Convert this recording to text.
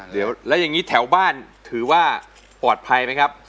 เป็นลูกมือแถวบ้านถือว่าปลอดภัยไหมครับ